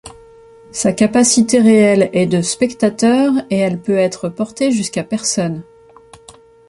Sa capacité réelle est de spectateurs et elle peut être portée jusqu'à personnes.